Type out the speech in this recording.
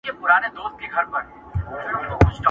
• زه د هري نغمې شرنګ یم زه د هري شپې سهار یم -